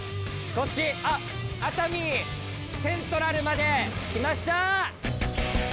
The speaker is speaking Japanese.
こっちあっ熱海セントラルまで来ました。